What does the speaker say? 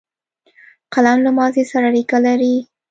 قلم له ماضي سره اړیکه لري